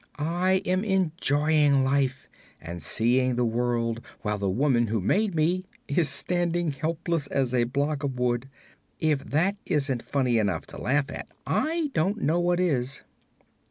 I am enjoying life and seeing the world, while the woman who made me is standing helpless as a block of wood. If that isn't funny enough to laugh at, I don't know what is."